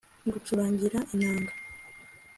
ngucurangira inanga